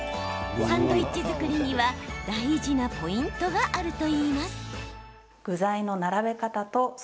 サンドイッチ作りには大事なポイントがあるといいます。